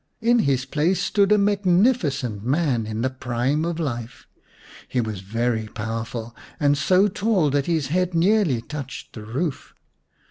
In his place stood a magnificent man in the prime of life. He was very powerful, and so tall that his head nearly touched the roof.